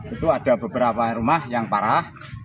itu ada beberapa rumah yang parah